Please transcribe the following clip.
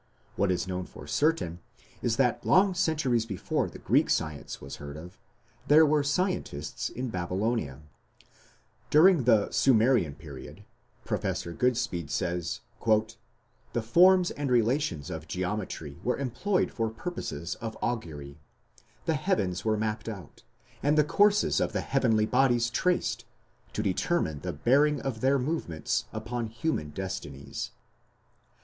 What is known for certain is that long centuries before the Greek science was heard of, there were scientists in Babylonia. During the Sumerian period "the forms and relations of geometry", says Professor Goodspeed, "were employed for purposes of augury. The heavens were mapped out, and the courses of the heavenly bodies traced to determine the bearing of their movements upon human destinies."